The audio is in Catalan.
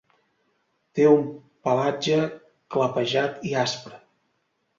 Té un pelatge clapejat i aspre.